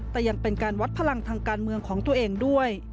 แต่ยังเป็นการวัดพลังทางการเมืองของตัวเองด้วย